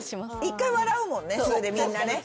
一回笑うもんね